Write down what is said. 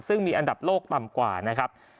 ซึ่งมีอันดับโลกต่ำกว่านะครับ